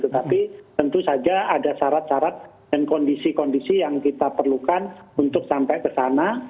tetapi tentu saja ada syarat syarat dan kondisi kondisi yang kita perlukan untuk sampai ke sana